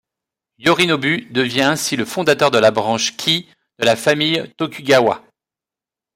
Yorinobu devient ainsi le fondateur de la branche Kii de la famille Tokugawa.